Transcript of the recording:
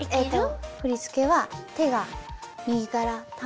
振り付けは手が右から。